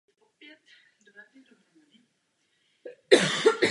Následně byl za normalizace vytlačen z politického života.